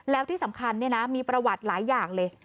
แล้วที่สำคัญมีประวัติหลายอย่างเลย